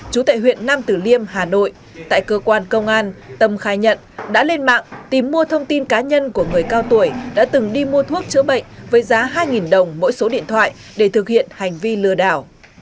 chú tại huyện nam tử liêm hà nội tại cơ quan công an tâm khai nhận đã lên mạng tìm mua thông tin cá nhân của người cao tuổi đã từng đi mua thuốc chữa bệnh với giá hai đồng mỗi số điện thoại để thực hiện hành vi lừa đảo